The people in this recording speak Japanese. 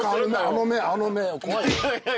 あの目あの目怖いよ。